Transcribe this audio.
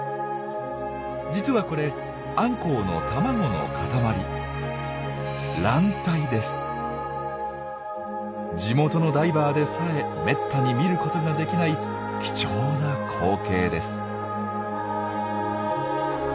実はこれアンコウの卵の塊地元のダイバーでさえめったに見ることができない貴重な光景です。